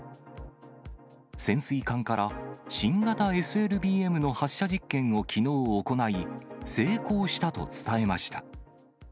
潜水艦から、新型ＳＬＢＭの発射実験をきのう行い、成功したと伝えました。